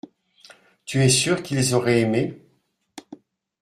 Tu es sûr qu’ils auraient aimé.